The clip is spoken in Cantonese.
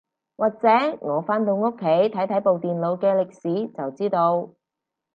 或者我返到屋企睇睇部電腦嘅歷史就知道